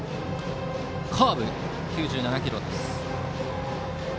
カーブ、９７キロです。